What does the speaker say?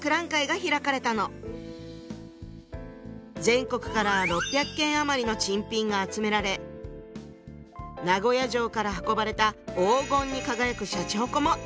全国から６００件余りの珍品が集められ名古屋城から運ばれた黄金に輝くしゃちほこも展示していたそうよ。